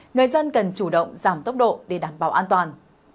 người dân cần chủ động giảm tốc độ để đảm bảo an toàn